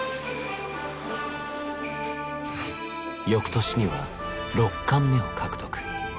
翌年には六冠目を獲得。